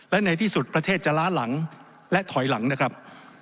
และในที่สุดประเทศจะล้าหลังและถอยหลังนะครับ